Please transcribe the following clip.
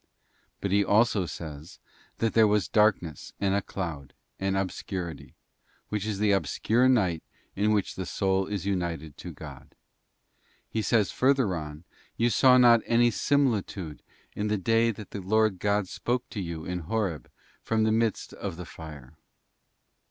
'* But He also says, ¢ That there was darkness, and a cloud, and obscurity,' f which is the obscure night in which the soul is united to God. He says further on, ' You saw not any similitude in the day that the Lord God spoke to you in Horeb from the midst of the fire.